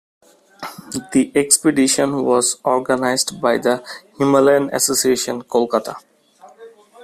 The expedition was organised by the Himalayan Association, Kolkata.